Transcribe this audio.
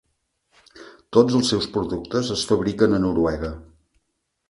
Tots els seus productes es fabriquen a Noruega.